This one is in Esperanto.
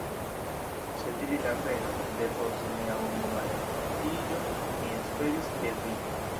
Se diri la veron, de post nia unua renkontiĝo mi esperis je vi!